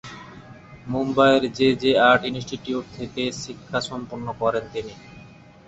মুম্বাইয়ের J J art institute থেকে শিক্ষা সম্পূর্ণ করেন তিনি।